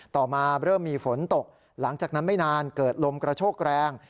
ต่อมาเริ่มมีฝนตกหลังจากนั้นไม่นานเกิดลมกระโชกแรง